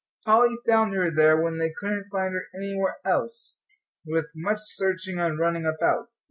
Polly found her there, when they couldn't find her anywhere else, with much searching and running about.